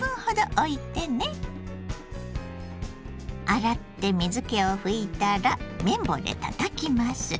洗って水けを拭いたら麺棒でたたきます。